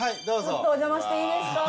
ちょっとお邪魔していいですか？